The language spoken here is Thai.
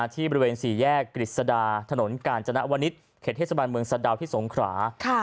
ที่บริเวณสี่แยกกฤษดาถนนกาญจนวนิษฐ์เขตเทศบาลเมืองสะดาวที่สงขรา